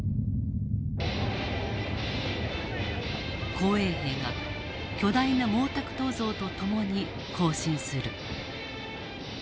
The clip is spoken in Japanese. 紅衛兵が巨大な毛沢東像と共に行進する。